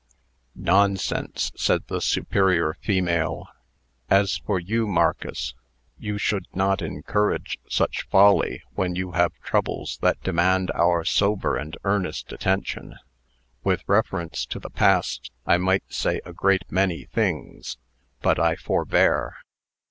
"Nonsense!" said the superior female. "As for you, Marcus, you should not encourage such folly, when you have troubles that demand our sober and earnest attention. With reference to the past, I might say a great many things, but I forbear.